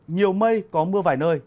nhiều mây có mưa vài nơi